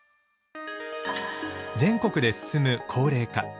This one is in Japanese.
全国で進む高齢化。